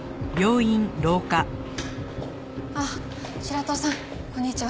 あっ白土さんこんにちは。